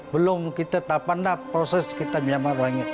belum kita dapat proses kita di myanmar